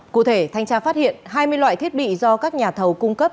cụ thể thanh tra phát hiện hai mươi loại thiết bị do các nhà thầu cung cấp